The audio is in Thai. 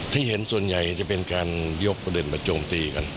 ที่เห็นส่วนใหญ่จะเป็นการยกประเด็นมาโจมตีกัน